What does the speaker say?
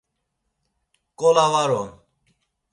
Nǩola var on.